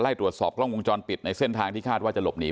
ตรวจสอบกล้องวงจรปิดในเส้นทางที่คาดว่าจะหลบหนี